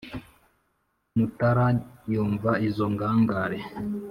mutara yumva izo ngangare.